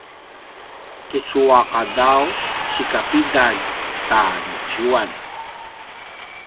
tucu a qadaw sika pidalj ta niciuan?